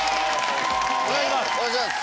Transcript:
お願いします。